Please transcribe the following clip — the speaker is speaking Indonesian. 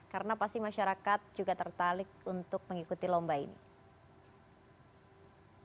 karena pasti masyarakat juga tertalik untuk mengikuti lomba ini